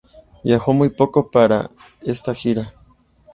Viajó muy poco para esta gira.